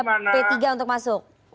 pan dan juga p tiga untuk masuk